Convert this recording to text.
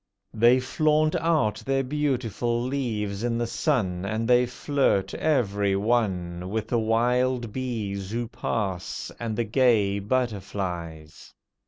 They flaunt out their beautiful leaves in the sun, And they flirt, every one, With the wild bees who pass, and the gay butterflies.